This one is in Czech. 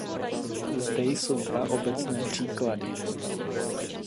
Zde jsou dva obecné příklady.